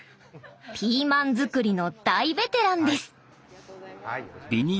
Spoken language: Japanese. ピーマン作りの大ベテランです。